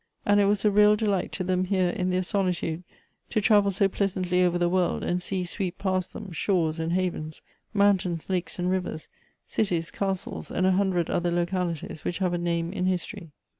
And it was a real delight to them here in thuir solitude, to travel so pleasantly over the world, and see sweep past them, shores and havens, mountains, lakes, and rivers, cities, castles, and a hundred other localities which have a nanie in history.